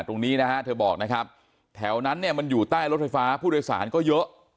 ตรงนี้นะฮะเธอบอกนะครับแถวนั้นเนี่ยมันอยู่ใต้รถไฟฟ้าผู้โดยสารก็เยอะ